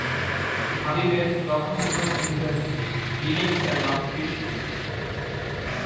হাবিবের প্রথম লোকসঙ্গীতের remix album "Krishna".